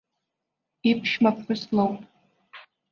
Иԥшәмаԥҳәыс лоуп.